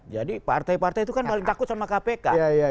jadi partai partai itu kan paling takut sama kpk